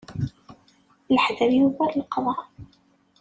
Leḥder yugar leqḍaɛ.